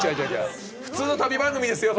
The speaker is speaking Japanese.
普通の旅番組ですよそれ。